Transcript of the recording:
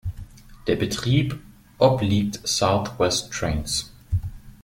Der Betrieb obliegt South West Trains.